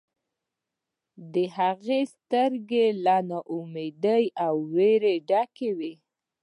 د هغې سترګې له نا امیدۍ او ویرې ډکې وې